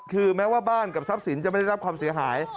คือแม้ว่าบ้านกับทรัพย์สินจะไม่ได้รับความเสียหาย